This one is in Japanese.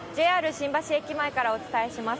新橋駅前からお伝えします。